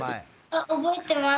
あ覚えてます。